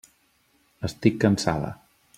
Estic cansada.